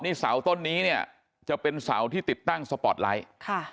นี่เสาต้นนี้เนี่ยจะเป็นเสาที่ติดตั้งสปอร์ตไลท์ค่ะ